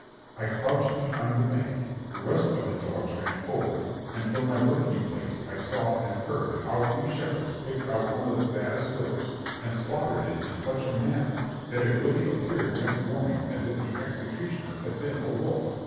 I crouched behind a bank; the rest of the dogs ran forward; and from my lurking place I saw and heard how two shepherds picked out one of the fattest wethers, and slaughtered it in such a manner, that it really appeared next morning as if the executioner had been a wolf.